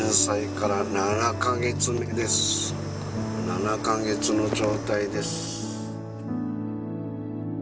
７カ月の状態です